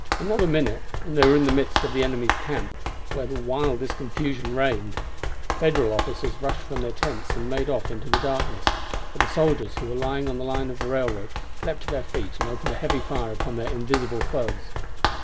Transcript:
Another minute and they were in the midst of the enemy's camp, where the wildest confusion reigned. The Federal officers rushed from their tents and made off in the darkness; but the soldiers, who were lying on the line of railroad, leaped to their feet and opened a heavy fire upon their invisible foes.